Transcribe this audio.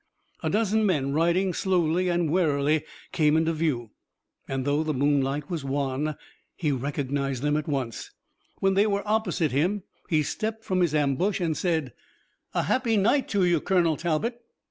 A dozen men riding slowly and warily came into view, and though the moonlight was wan he recognized them at once. When they were opposite him he stepped from his ambush and said: "A happy night to you, Colonel Talbot."